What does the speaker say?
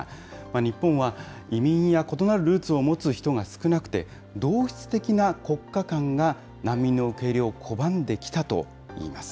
日本は移民や異なるルーツを持つ人が少なくて、同質的な国家観が難民の受け入れを拒んできたといいます。